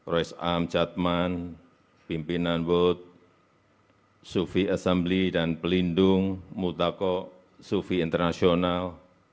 royce am catman pimpinan wood sufi asambli dan pelindung mutako sufi internasional